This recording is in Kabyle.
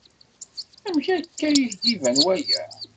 Amek akka i ak-d-iban waya?